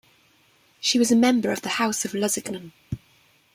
She was a member of the House of Lusignan.